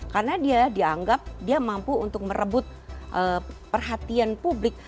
karena dia dianggap dia mampu untuk merebut perhatian publik